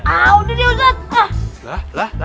ah udah deh ustadz